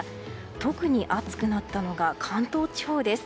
特に暑くなったのが関東地方です。